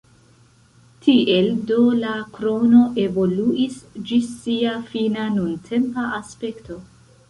Tiel do la krono evoluis ĝis sia fina nuntempa aspekto.